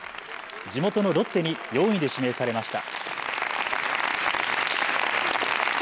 地元のロッテに４位で指名されました。